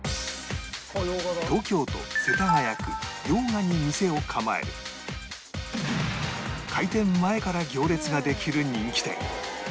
東京都世田谷区用賀に店を構える開店前から行列ができる人気店